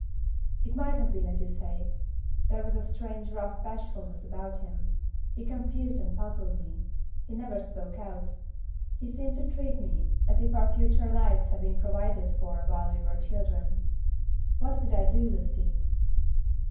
"It might have been as you say. There was a strange, rough bashfulness about him. He confused and puzzled me. He never spoke out. He seemed to treat me as if our future lives had been provided for while we were children. What could I do, Lucy?"